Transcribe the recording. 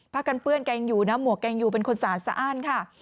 กันเปื้อนแกงอยู่นะหมวกแกงอยู่เป็นคนสาดสะอ้านค่ะ